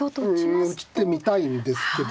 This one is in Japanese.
うん打ってみたいんですけどね。